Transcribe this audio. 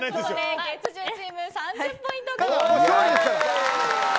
月１０チーム３０ポイント獲得。